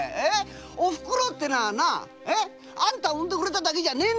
お袋ってのはあんたを産んでくれただけじゃねえんだ。